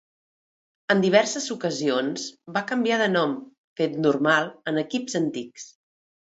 En diverses ocasions va canviar de nom, fet normal en equips antics.